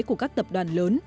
của các tập đoàn lớn